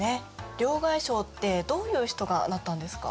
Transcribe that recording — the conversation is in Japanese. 両替商ってどういう人がなったんですか？